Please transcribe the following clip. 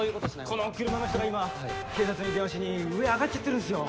この車の人が今警察に電話しに上あがっちゃってるんすよ。